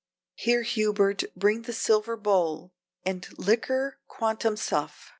Here, Hubert, bring the silver bowl, and liquor quantum suff.